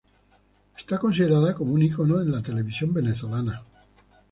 Es considerada como un icono en la televisión venezolana.